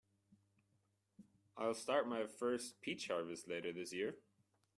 I'll start my first peach harvest later this year.